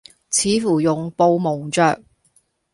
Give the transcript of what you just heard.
似乎用布蒙着；